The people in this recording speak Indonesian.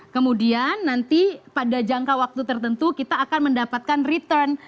kemudian nanti pada jangka waktu tertentu kita akan mendapatkan return